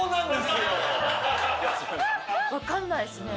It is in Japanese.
わかんないですね。